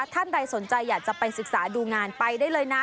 ท่านใดสนใจอยากจะไปศึกษาดูงานไปได้เลยนะ